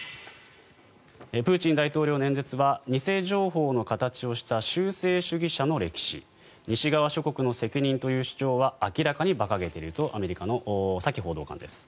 プーチン大統領の演説は偽情報の形をした修正主義者の歴史西側諸国の責任という主張は明らかに馬鹿げているとアメリカのサキ報道官です。